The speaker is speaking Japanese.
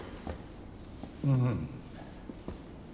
うん。